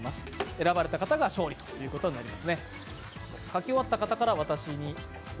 選ばれた方が勝利ということになります。